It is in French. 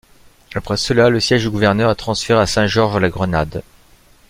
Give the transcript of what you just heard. Après cela, le siège du gouverneur est transféré à Saint-Georges à la Grenade.